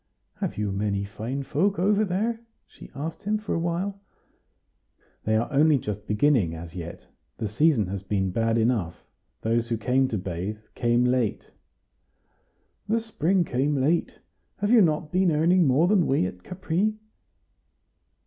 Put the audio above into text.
"Have you many fine folk over there?" she asked him, after a while. "They are only just beginning; as yet, the season has been bad enough; those who came to bathe, came late." "The spring came late. Have you not been earning more than we at Capri?"